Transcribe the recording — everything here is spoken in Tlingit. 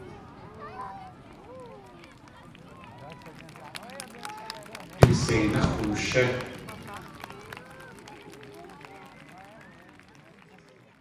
Du séináx̲ wooshí!